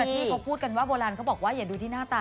เพราะที่พวกเ฼ี่ยวพูดกันว่าโบราณเขาบอกว่าอย่าดูที่หน้าตา